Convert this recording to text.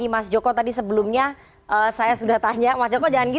iya makanya sekarang udah berakong sih